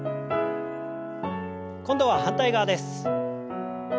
今度は反対側です。